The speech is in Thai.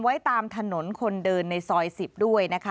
ไว้ตามถนนคนเดินในซอย๑๐ด้วยนะคะ